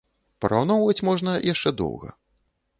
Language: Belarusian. Параўноўваць можна яшчэ доўга.